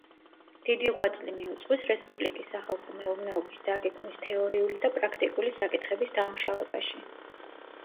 დიდი ღვაწლი მიუძღვის რესპუბლიკის სახალხო მეურნეობის დაგეგმვის თეორიული და პრაქტიკული საკითხების დამუშავებაში.